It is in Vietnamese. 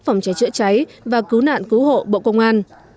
phòng cháy chữa cháy và cứu nạn cứu hộ bộ công an